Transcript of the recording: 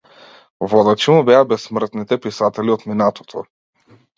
Водачи му беа бесмртните писатели од минатото.